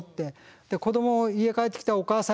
子ども家帰ってきたお母さんいないって。